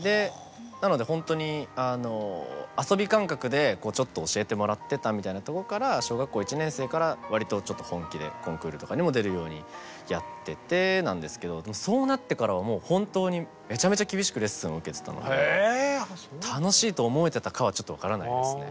なのでほんとに遊び感覚でちょっと教えてもらってたみたいなとこから小学校１年生から割とちょっと本気でコンクールとかにも出るようにやっててなんですけどそうなってからは本当にめちゃめちゃ厳しくレッスンを受けてたので楽しいと思えてたかはちょっと分からないですね。